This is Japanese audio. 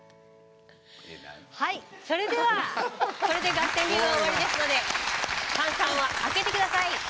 はいそれではこれでガッテン流は終わりですので炭酸は開けて下さい。